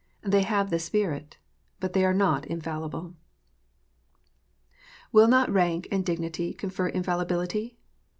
They have the Spirit. But they are not infallible. Will not rank and dignity confer infallibility ?